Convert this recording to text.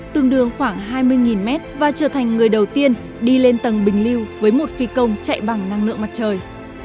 tương đương khoảng hai mươi m và trở thành người đầu tiên đi lên tầng bình lưu với một phi công chạy bằng năng lượng mặt trời